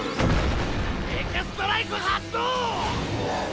エクストライフ発動！